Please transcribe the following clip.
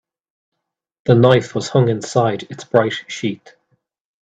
The knife was hung inside its bright sheath.